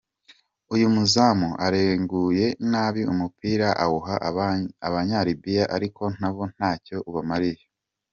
Uyu muzamu arenguye nabi umupira awuha abanya Libya ariko nabo ntacyo ubamariye.